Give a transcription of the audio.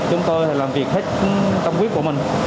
chúng tôi làm việc hết trong quyết của mình